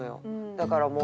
だからもう。